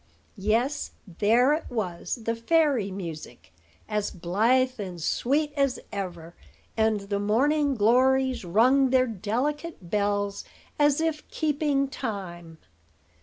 Yes, there it was, the fairy music, as blithe and sweet as ever; and the morning glories rung their delicate bells as if keeping time.